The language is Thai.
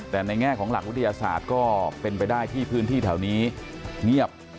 แต่ในแง่ของหลักวิทยาศาสตร์ก็เป็นไปได้ที่พื้นที่แถวนี้เงียบ